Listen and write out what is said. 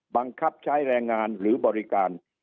บังคับใช้แรงงานหรือบริการ